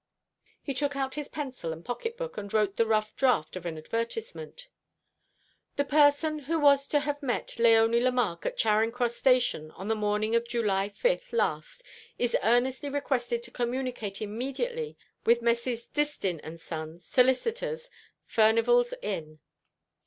He took out his pencil and pocket book, and wrote the rough draft of an advertisement: "The person who was to have met Léonie Lemarque at Charing Cross Station on the morning of July 5th last is earnestly requested to communicate immediately with Messrs. Distin & Son, Solicitors, Furnival's Inn."